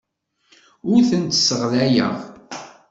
Ur tent-sseɣlayeɣ.